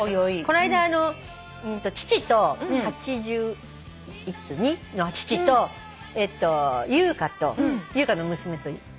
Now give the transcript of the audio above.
こないだ父と８２の父と優香と優香の娘とご飯行ったんだけど。